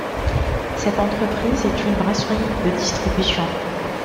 Cette entreprise est une brasserie de distribution.